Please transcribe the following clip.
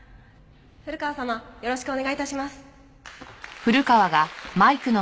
古河様よろしくお願い致します。